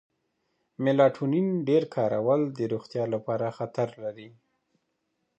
میلاټونین ډېر کارول د روغتیا لپاره خطر لري.